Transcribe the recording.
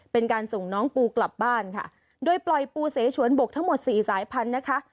เป็นการส่งน้องปูกลับบ้านค่ะโดยปล่อยปูเสฉวนบกทั้งหมดสี่สายพันธุ์นะคะ